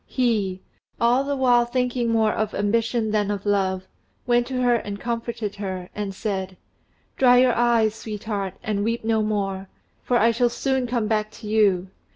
He, all the while thinking more of ambition than of love, went to her and comforted her, and said: "Dry your eyes, sweetheart, and weep no more, for I shall soon come back to you.